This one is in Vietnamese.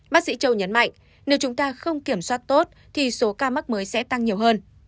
bác sĩ châu nhấn mạnh nếu chúng ta không kiểm soát tốt thì số ca mắc mới sẽ tăng nhiều hơn